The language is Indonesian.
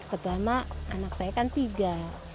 pertama anak saya kan tiga